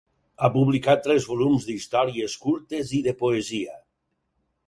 Ha publicat tres volums d'històries curtes i de poesia.